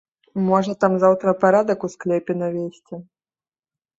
Можа, там заўтра парадак у склепе навесці.